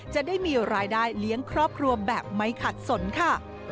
จะได้มีรายได้เลี้ยงครอบครัวแบบไม่ขัดสนค่ะ